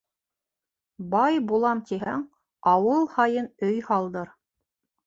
Бай булам тиһәң, ауыл һайын өй һалдыр.